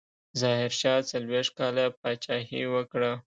ظاهرشاه څلوېښت کاله پاچاهي وکړه.